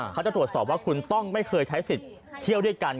เขาจะตรวจสอบว่าคุณต้องไม่เคยใช้สิทธิ์เที่ยวด้วยกัน